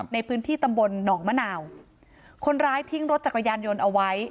ในพื้นที่ตำบลหนองมะนาวคนร้ายทิ้งรถจักรยานยนต์เอาไว้